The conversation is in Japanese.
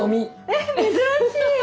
えっ珍しい！